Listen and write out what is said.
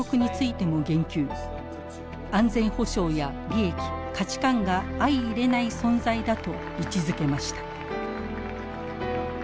安全保障や利益価値観が相いれない存在だと位置づけました。